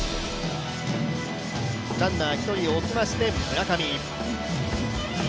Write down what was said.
ランナー１人を置きまして、村上。